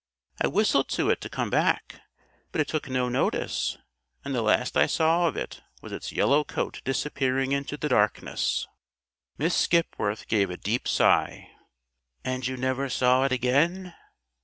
I whistled to it to come back, but it took no notice; and the last I saw of it was its yellow coat disappearing into the darkness." Miss Skipworth gave a deep sigh. "And you never saw it again?"